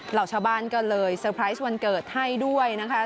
เหล่าชาวบ้านก็เลยเตอร์ไพรส์วันเกิดให้ด้วยนะคะ